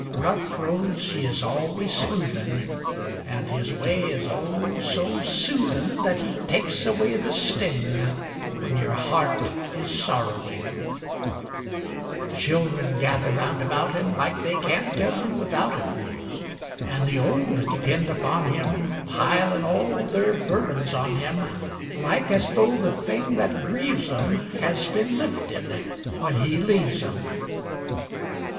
Rough roads he is always smoothin', An' his way is, oh, so soothin' That he takes away the sting When your heart is sorrowing. [Illustration: "The Homely Man" From a painting by M. L. BOWER.] Children gather round about him Like they can't get on without him. An' the old depend upon him, Pilin' all their burdens on him, Like as though the thing that grieves 'em Has been lifted when he leaves 'em.